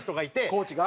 コーチが？